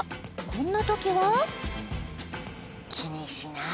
こんなときは？